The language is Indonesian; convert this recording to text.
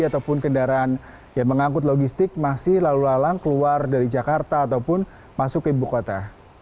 ataupun kendaraan yang mengangkut logistik masih lalu lalang keluar dari jakarta ataupun masuk ke ibu kota